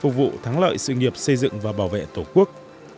phục vụ thắng lợi sự nghiệp xây dựng và bảo vệ tổ quốc